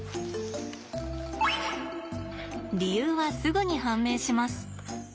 理由はすぐに判明します。